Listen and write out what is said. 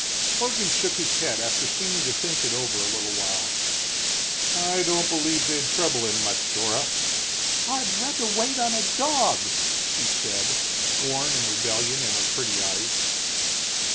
Morgan shook his head after seeming to think it over a little while. "I don't believe they'd trouble him much, Dora." "I'd rather wait on a dog!" she said, scorn and rebellion in her pretty eyes.